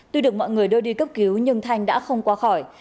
tuy được mọi người đưa đi cấp cứu nhưng thanh đã không qua khỏi